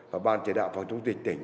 và ban chế đạo phòng chống dịch tỉnh